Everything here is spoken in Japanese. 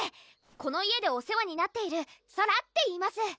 この家でお世話になっているソラっていいます